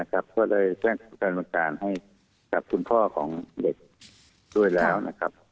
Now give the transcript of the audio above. ก็เลยแจ้งการบริการให้กับคุณพ่อของเด็กด้วยแล้วนะครับ